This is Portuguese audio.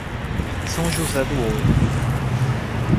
São José do Ouro